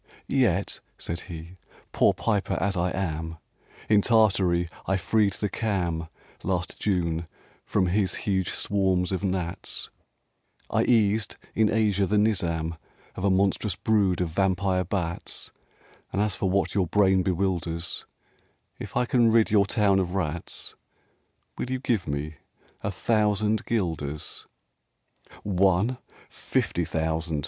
) "Yet," said he, "poor piper as I am, In Tartary I freed the Cham, Last June, from his huge swarms of gnats; I eased in Asia the Nizam Of a monstrous brood of vampire bats; And as for what your brain bewilders, If I can rid your town of rats, Will you give me a thousand guilders?" "One? fifty thousand!"